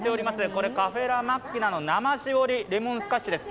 これ、カフェ・ラ・マッキナの生しぼりレモンスカッシュです。